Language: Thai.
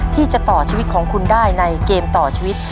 ที่จะต่อชีวิตของคุณได้ในเกมต่อชีวิต